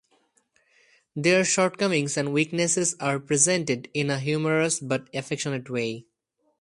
Their shortcomings and weaknesses are presented in a humorous but affectionate way.